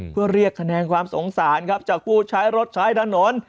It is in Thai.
เพื่อเรียกคะแนนความสงสารครับจากผู้ใช้รถใช้ถนน